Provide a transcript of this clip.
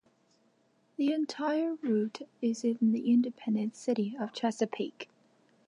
The entire route is in the independent city of Chesapeake.